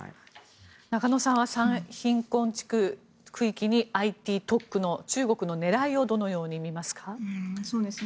中野さんは最貧困地区区域にＩＴ特区を作った中国の狙いをどのように見ますか？